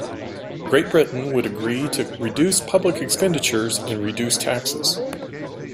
Great Britain would agree to reduce public expenditures and reduce taxes.